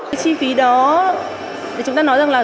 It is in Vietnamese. chi phí đó chúng ta nói rằng là